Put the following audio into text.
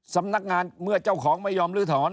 สำนักงานเมื่อเจ้าของไม่ยอมลื้อถอน